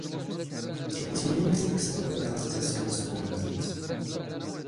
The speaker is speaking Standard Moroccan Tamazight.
ⵜⵉⵍⵉ ⵎⴰⵏⵉⴽ ⵙ ⵔⴰⴷ ⴰⵔⴰⵖ ⵜⴰⵙⴽⵔⴰ ⵙ ⵜⴱⵓⵍⴳⴰⵔⵉⵜ?